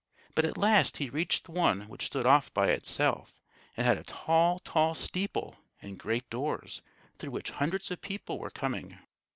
But at last he reached one which stood off by itself and had a tall, tall steeple and great doors, through which hundreds of people were coming.